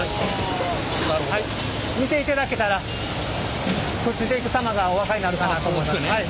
見ていただけたらくっついていく様がお分かりになるかなと思います。